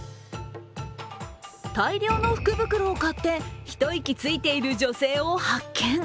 大量の福袋を買って、一息ついている女性を発見。